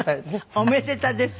「おめでたです」。